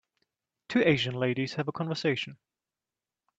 two asian ladies have a conversation.